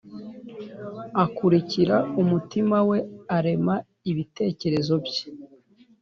akurikira umutima we arema ibitekerezo bye.